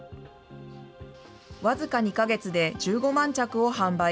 僅か２か月で１５万着を販売。